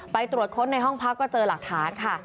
ไปตรวจค้นในห้องพักก็เจอหลักฐานค่ะ